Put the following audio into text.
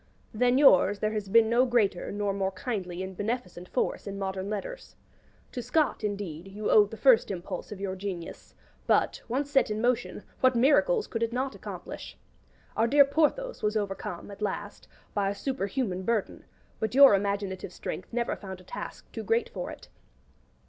Than yours there has been no greater nor more kindly and beneficent force in modern letters. To Scott, indeed, you owed the first impulse of your genius; but, once set in motion, what miracles could it not accomplish? Our dear Porthos was overcome, at last, by a superhuman burden; but your imaginative strength never found a task too great for it.